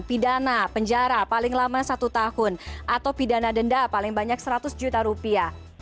pidana penjara paling lama satu tahun atau pidana denda paling banyak seratus juta rupiah